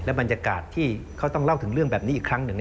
บรรยากาศที่เขาต้องเล่าถึงเรื่องแบบนี้อีกครั้งหนึ่ง